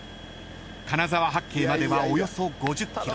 ［金沢八景まではおよそ５０ｋｍ］